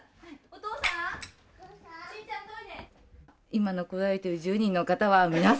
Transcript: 今残られている１０人の方は皆さん